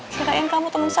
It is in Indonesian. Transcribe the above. kirain kamu temen saya